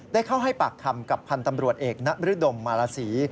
ได้เข้าให้ปากคำกับพันธ์ตำรวจเอกนรดมมารสี